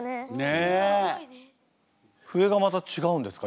笛がまた違うんですか？